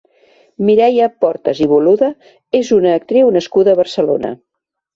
Mireia Portas i Boluda és una actriu nascuda a Barcelona.